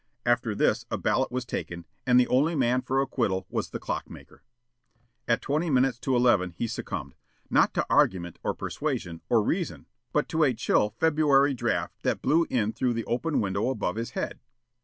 After this a ballot was taken, and the only man for acquittal was the clock maker. At twenty minutes to eleven he succumbed, not to argument or persuasion or reason but to a chill February draft that blew in through the open window above his head.